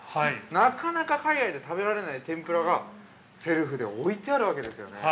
なかなか海外では食べられない天ぷらがセルフで置いてあるわけですよね。